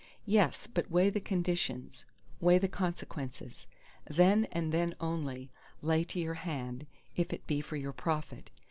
Yes, but weigh the conditions, weigh the consequences; then and then only, lay to your hand—if it be for your profit.